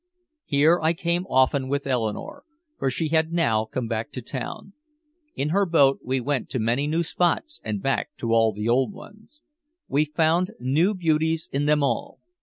Here I came often with Eleanore, for she had now come back to town. In her boat we went to many new spots and back to all the old ones. We found new beauties in them all.